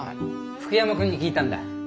吹山君に聞いたんだ。